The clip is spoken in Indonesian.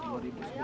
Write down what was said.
berdua ribu juta